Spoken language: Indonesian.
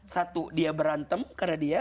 satu dia berantem karena dia